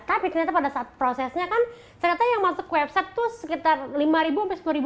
tapi ternyata pada saat prosesnya kan ternyata yang masuk website tuh sekitar lima lima